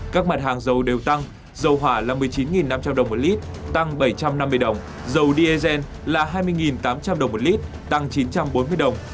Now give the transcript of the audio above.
các mặt hàng dầu đều tăng dầu hỏa là một mươi chín năm trăm linh đồng một lít tăng bảy trăm năm mươi đồng dầu diesel là hai mươi tám trăm linh đồng một lít tăng chín trăm bốn mươi đồng